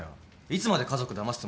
いつまで家族だます